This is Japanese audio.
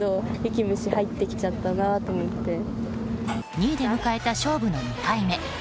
２位で迎えた勝負の２回目。